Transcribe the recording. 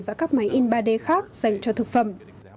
và các máy in ba d khác dành cho thực phẩm